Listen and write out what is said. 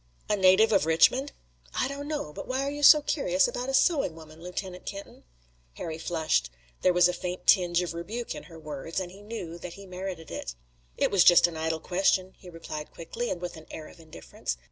"A native of Richmond?" "I don't know. But why are you so curious about a sewing woman, Lieutenant Kenton?" Harry flushed. There was a faint tinge of rebuke in her words, and he knew that he merited it. "It was just an idle question," he replied quickly, and with an air of indifference.